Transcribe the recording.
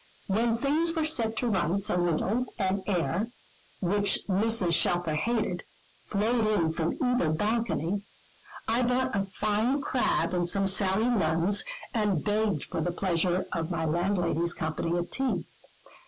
When things were set to rights a little, and air, which Mrs. Shelfer hated, flowed in from either balcony, I bought a fine crab and some Sally Lunns, and begged for the pleasure of my landlady's company at tea.